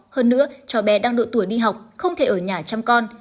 hơn nữa cho bé đang độ tuổi đi học không thể ở nhà chăm con